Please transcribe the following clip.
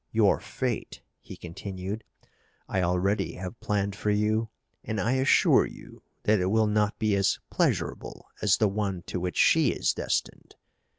Your fate," he continued, "I already have planned for you and I assure you that it will not be as pleasurable as the one to which she is destined.